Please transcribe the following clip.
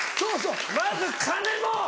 まず金も！